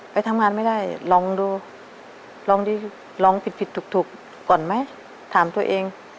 ไปทำงานไม่ได้ลองดูลองดีลองผิดผิดถูกก่อนไหมถามตัวเอง